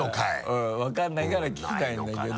うんわからないから聞きたいんだけど。